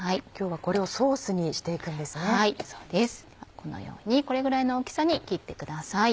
このようにこれぐらいの大きさに切ってください。